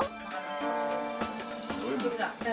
bagaimana menurut anda